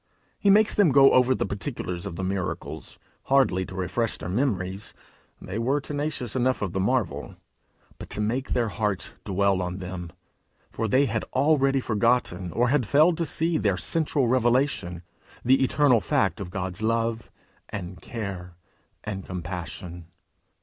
He makes them go over the particulars of the miracles hardly to refresh their memories they were tenacious enough of the marvel, but to make their hearts dwell on them; for they had already forgotten or had failed to see their central revelation the eternal fact of God's love and care and compassion.